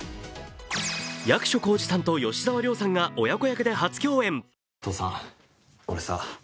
役所広司さんと吉沢亮さんが親子役で初共演。